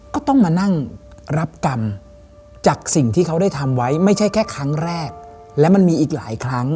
ก็ต้องมานั่งรับกรรมจากสิ่งที่เขาได้ทำไว้ไม่ใช่แค่ครั้งแรกและมันมีอีกหลายครั้ง